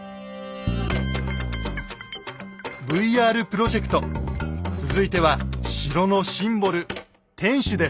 ＶＲプロジェクト続いては城のシンボル「天守」です。